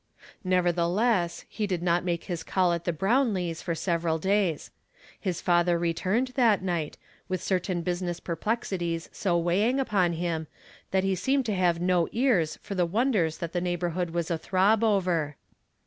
Nevertheless, he did not make his call at the Brownlees' for several days. His father returned .•mil 178 YESTERDAY FRAMED IN TO DAY. that night, with certain business perplexities so weighing upon him that he seemed to have no ears for the wondei s that the neighborhood was athrob over.